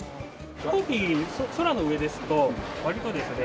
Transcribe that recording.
飛行機空の上ですと割とですね